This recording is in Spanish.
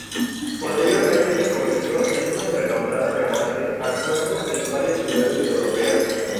Posteriormente se convirtió en una renombrada cantante, actuando en varias ciudades europeas.